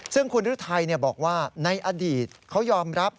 ซึ่งคุณฤทัยบอกว่าในอดีตเขายอมรับ